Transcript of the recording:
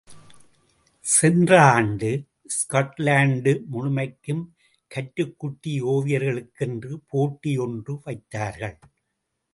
சென்ற ஆண்டு, ஸ்காட்லாண்டு முழுமைக்கும் கற்றுக்குட்டி ஒவியர்களுக்கென்று போட்டி யொன்று வைத்தார்கள்.